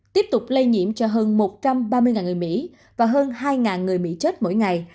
tiếp tục lây nhiễm cho hơn một trăm ba mươi người mỹ và hơn hai người mỹ chết mỗi ngày